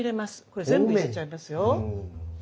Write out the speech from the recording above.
これ全部入れちゃいますよ。